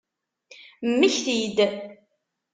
Mmekti-d!